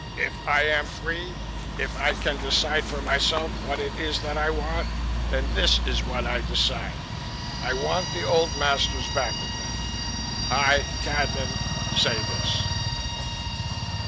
If I am free, if I can decide for myself what it is that I want, then this is what I decide. I want the old masters back again. I, Cadnan, say this.